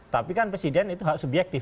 tapi kan presiden itu hak subjektif